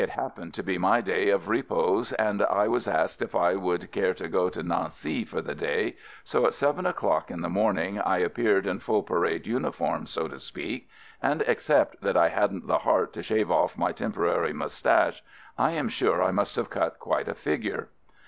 It happened to be my day of repos and I was asked if I would care to go to Nancy for the day, so at seven o'clock in the morning I appeared in full parade uniform, so to speak; and except that I had n't the heart to shave off my tempo rary mustache, I am sure I must have cut quite a figure